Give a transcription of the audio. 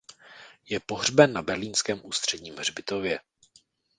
Je pohřben na berlínském ústředním hřbitově.